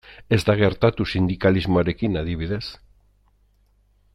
Ez da gertatu sindikalismoarekin, adibidez.